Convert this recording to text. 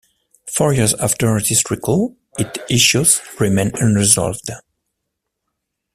Four years after this recall its issues remain unresolved.